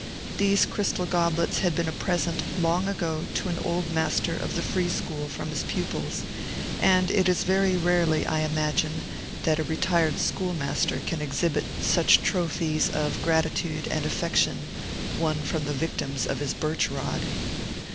These crystal goblets had been a present, long ago, to an old master of the Free School from his pupils; and it is very rarely, I imagine, that a retired schoolmaster can exhibit such trophies of gratitude and affection, won from the victims of his birch rod.